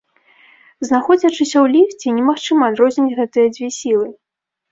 Знаходзячыся ў ліфце, немагчыма адрозніць гэтыя дзве сілы.